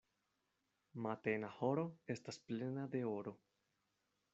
Matena horo estas plena de oro.